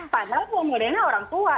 padahal modelnya orang tua